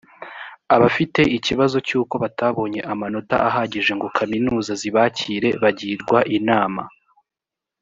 abafite ikibazo cy uko batabonye amanota ahagije ngo kaminuza zibakire bagirwa inama